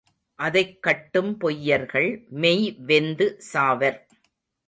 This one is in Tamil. அதைக் கட்டும் பொய்யர்கள் மெய் வெந்து சாவர்.